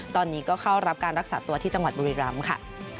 ตอนนี้ก็เข้ารับการรักษาตัวที่จังหวัดบุรีรำค่ะ